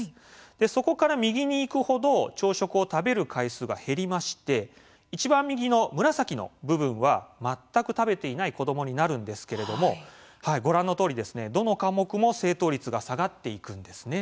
そこから右にいくほど朝食を食べる回数が減りましていちばん右の紫の部分は全く食べていない子どもになるんですけれどもご覧のとおり、どの科目も正答率が下がっていくんですね。